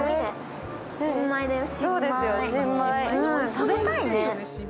食べたいね。